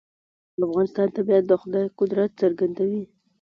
د افغانستان طبیعت د خدای قدرت څرګندوي.